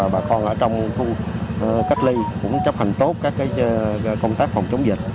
bà con ở trong khu cách ly cũng chấp hành tốt các công tác phòng chống dịch